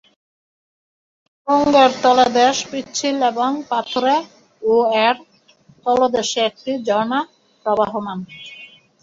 সুড়ঙ্গের তলদেশ পিচ্ছিল এবং পাথুরে ও এর তলদেশে একটি ঝর্ণা প্রবহমান।